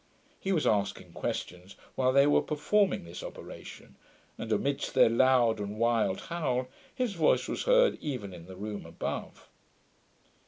He was asking questions while they were performing this operation, and, amidst their loud and wild howl, his voice was heard even in the room above.